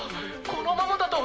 このままだと。